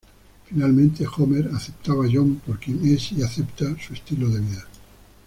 Finalmente, Homer acepta a John por quien es y acepta su estilo de vida.